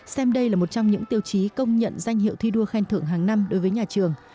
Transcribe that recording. xem đây là một trong những tiêu chí công nhận danh hiệu thi đua khen thưởng hàng năm đối với nhà trường